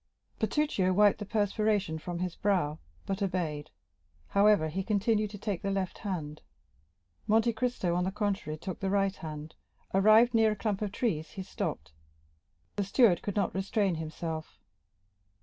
Bertuccio wiped the perspiration from his brow, but obeyed; however, he continued to take the left hand. Monte Cristo, on the contrary, took the right hand; arrived near a clump of trees, he stopped. The steward could not restrain himself.